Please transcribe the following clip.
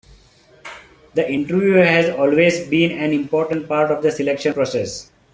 The interview has always been an important part of the selection process.